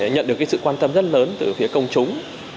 nhận được sự quan tâm rất lớn từ phía công chúng